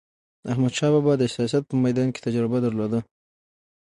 احمدشاه بابا د سیاست په میدان کې تجربه درلوده.